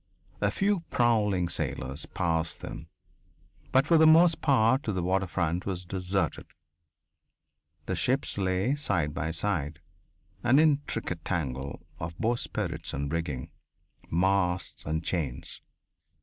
A few prowling sailors passed them. But for the most part the waterfront was deserted. The ships lay side by side an intricate tangle of bowsprits and rigging, masts and chains.